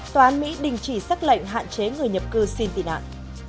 tòa án mỹ đình chỉ xác lệnh hạn chế người nhập cư xin tị nạn